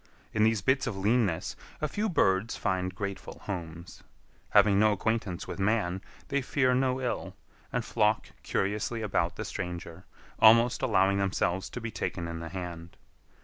In these bits of leanness a few birds find grateful homes. Having no acquaintance with man, they fear no ill, and flock curiously about the stranger, almost allowing themselves to be taken in the hand.